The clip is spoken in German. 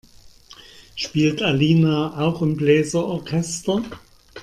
Spielt Alina auch im Bläser-Orchester?